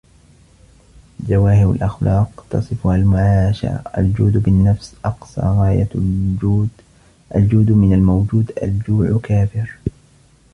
جواهر الأخلاق تصفها المعاشرة الجود بالنفس أقصى غاية الجود الجود من الموجود الجوع كافر